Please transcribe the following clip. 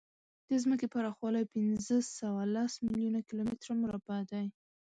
د ځمکې پراخوالی پینځهسوهلس میلیونه کیلومتره مربع دی.